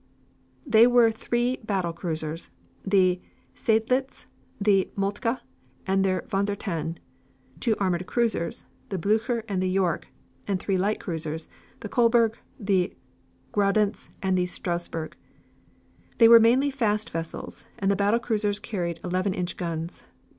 They were three battle cruisers, the Seydlitz, the Moltke, and the Von Der Tann; two armored cruisers, the Blucher and the York, and three light cruisers, the Kolberg, the Graudenz, and the Strasburg. They were mainly fast vessels and the battle cruisers carried eleven inch guns.